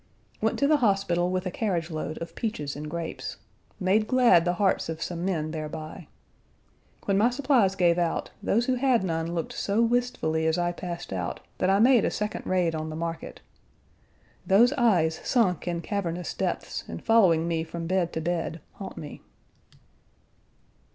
Went to the hospital with a carriage load of peaches and grapes. Made glad the hearts of some men thereby. When my supplies gave out, those who had none looked so wistfully as I passed out that I made a second raid on the market. Those eyes sunk in cavernous depths and following me from bed to bed haunt me.